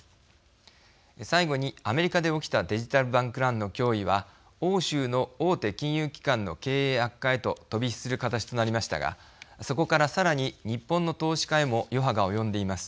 最後に、アメリカで起きたデジタル・バンク・ランの脅威は欧州の大手金融機関の経営悪化へと飛び火する形となりましたがそこからさらに日本の投資家へも余波が及んでいます。